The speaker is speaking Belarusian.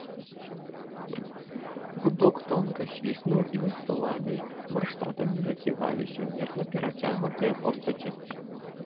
Гудок тонка свіснуў, і над сталамі, варштатамі заківаліся мерна перагнутыя постаці.